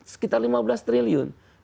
sekitar lima belas triliun